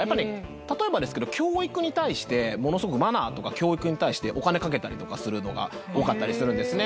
例えばですけど教育に対してものすごくマナーとか教育に対してお金かけたりとかするのが多かったりするんですね。